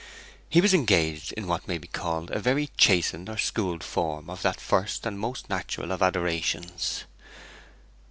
He was engaged in what may be called a very chastened or schooled form of that first and most natural of adorations.